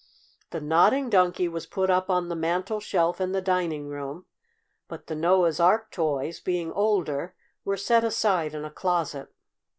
The Nodding Donkey was put up on the mantel shelf in the dining room, but the Noah's Ark toys, being older, were set aside in a closet.